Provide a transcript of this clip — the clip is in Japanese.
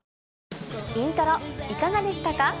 『イントロ』いかがでしたか？